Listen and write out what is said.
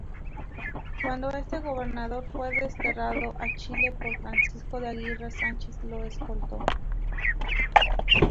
Cuando este gobernador fue desterrado a Chile por Francisco de Aguirre, Sánchez lo escoltó.